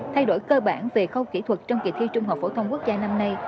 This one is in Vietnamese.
thay đổi cơ bản về khâu kỹ thuật trong kỳ thi trung học phổ thông quốc gia năm nay